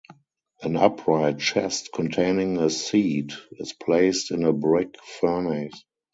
An upright chest containing a seat is placed in a brick furnace.